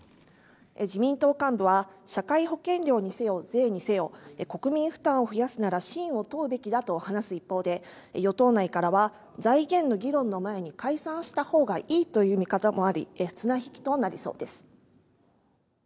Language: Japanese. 自民党幹部は社会保険料にせよ、税にせよ国民負担を増やすなら信を問うべきだと話す一方で与党内からは財源の議論の前に解散したほうがいいという見方もあり綱引きとなりそうです。